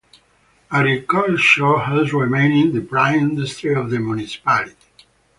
Agriculture has remained the prime industry of the municipality.